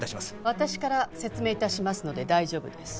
私から説明致しますので大丈夫です。